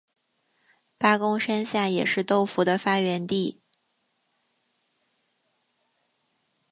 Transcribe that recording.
八公山下也是豆腐的发源地。